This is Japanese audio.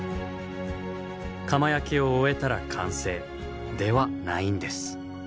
窯焼きを終えたら完成ではないんです。